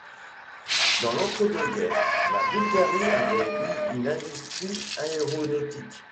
Dans l'entre-deux-guerres, la Bulgarie avait eu une industrie aéronautique.